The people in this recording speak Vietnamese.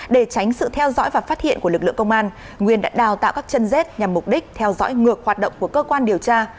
để tránh sự theo dõi và phát hiện của lực lượng công an nguyên đã đào tạo các chân dết nhằm mục đích theo dõi ngược hoạt động của cơ quan điều tra